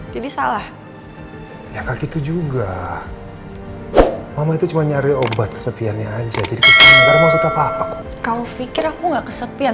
jadi salah ya kak itu juga mama itu cuma nyari obat kesepiannya aja kamu pikir aku nggak kesepian